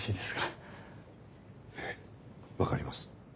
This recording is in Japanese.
ええ分かります。